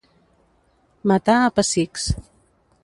Matar a pessics.